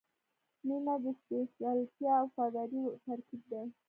• مینه د سپېڅلتیا او وفادارۍ ترکیب دی.